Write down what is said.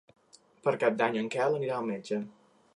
Per Cap d'Any en Quel anirà al metge.